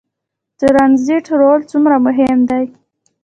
د ټرانزیټ رول څومره مهم دی؟